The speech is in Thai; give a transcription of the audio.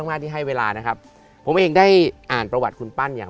มากที่ให้เวลานะครับผมเองได้อ่านประวัติคุณปั้นอย่าง